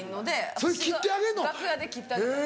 それ切ってあげんの。